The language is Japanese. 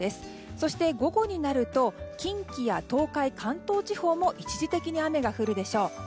そして、午後になると近畿や東海、関東地方も一時的に雨が降るでしょう。